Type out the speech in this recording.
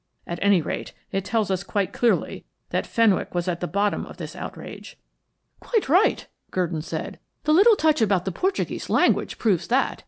At any rate, it tells us quite clearly that Fenwick was at the bottom of this outrage." "Quite right," Gurdon said. "The little touch about the Portuguese language proves that.